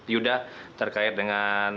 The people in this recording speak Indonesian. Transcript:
yudha terkait dengan